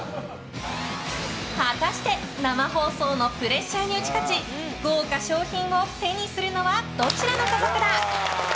果たして生放送のプレッシャーに打ち勝ち豪華賞品を手にするのはどちらの家族だ。